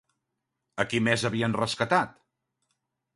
A qui més havien rescatat?